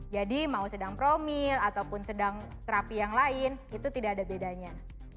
jadi mau sedang promil ataupun sedang terapi yang lain itu tidak ada bedanya